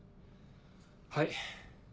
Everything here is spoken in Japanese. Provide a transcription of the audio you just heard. はい。